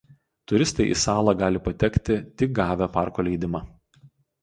Turistai į salą gali patekti tik gavę parko leidimą.